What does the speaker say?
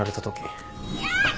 やだ！